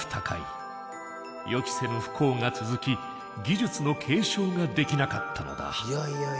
予期せぬ不幸が続き技術の継承ができなかったのだ。